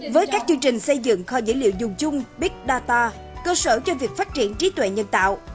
với các chương trình xây dựng kho dữ liệu dùng chung big data cơ sở cho việc phát triển trí tuệ nhân tạo